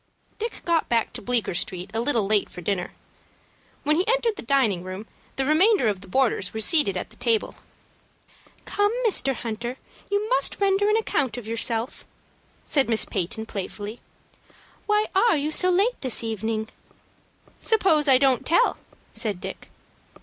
Dick got back to Bleecker Street a little late for dinner. When he entered the dining room, the remainder of the boarders were seated at the table. "Come, Mr. Hunter, you must render an account of yourself," said Miss Peyton, playfully. "Why are you late this evening?" "Suppose I don't tell," said Dick.